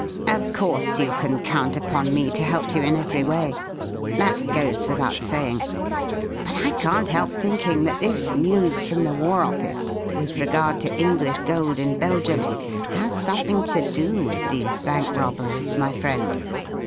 Of course you can count upon me to help you in every way. That goes without saying. But I can't help thinking that this news from the War Office with regard to English gold in Belgium has something to do with these bank robberies, my friend.